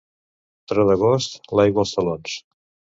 Tro d'agost, l'aigua als talons.